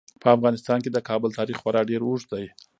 په افغانستان کې د کابل تاریخ خورا ډیر اوږد دی.